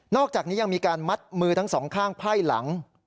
อกจากนี้ยังมีการมัดมือทั้งสองข้างไพ่หลัง